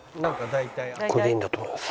これでいいんだと思います。